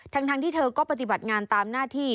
ทั้งที่เธอก็ปฏิบัติงานตามหน้าที่